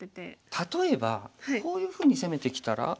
例えばこういうふうに攻めてきたら？